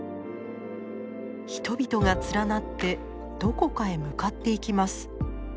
人々が連なってどこかへ向かっていきます。